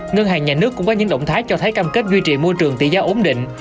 ngân hàng nhà nước cũng có những động thái cho thấy cam kết duy trì môi trường tỷ giá ổn định